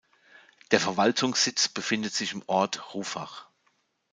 Der Verwaltungssitz befindet sich im Ort Rouffach.